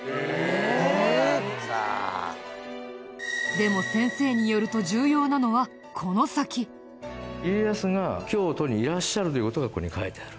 でも先生によると家康が京都にいらっしゃるという事がここに書いてある。